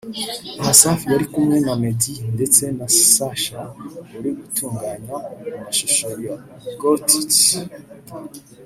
Aha Safi yari kumwe na Meddy ndetse na Sasha uri gutunganya amashusho ya ’Got it’